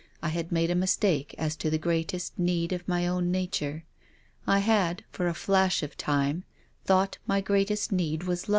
I had made a mistake as to the greatest need of my own nature. I had, for a flash of time, thought my greatest need was love."